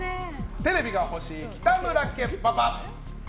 テレビが欲しい北村家パパ。